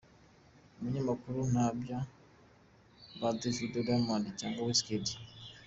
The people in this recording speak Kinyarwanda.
Umunyamakuru: Ntabya ba Davido, Diamond cyangwa Wizkid?.